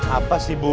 apa sih bu